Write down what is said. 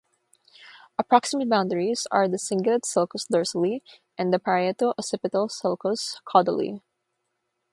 Approximate boundaries are the cingulate sulcus dorsally and the parieto-occipital sulcus caudally.